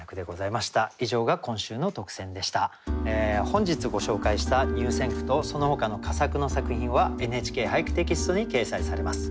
本日ご紹介した入選句とそのほかの佳作の作品は「ＮＨＫ俳句」テキストに掲載されます。